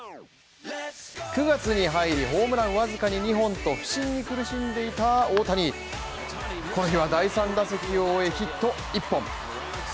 ９月に入り、ホームラン僅かに本と不振に苦しんでいた大谷、この日は第３打席を終えヒット１本。